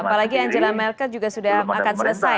apalagi angela merkel juga sudah akan selesai ya